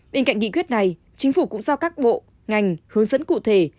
bên cạnh nghị quyết này chính phủ cũng giao các bộ ngành hướng dẫn cụ thể